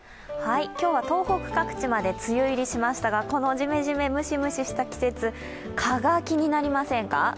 今日は東北各地まで梅雨入りしましたが、このジメジメ、ムシムシした季節、蚊が気になりませんか？